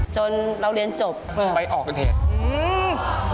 จนเราเรียนจบไปออกประเทศอืม